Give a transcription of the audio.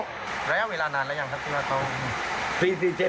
ระยะเวลานานแล้วยังครับฟิราโต้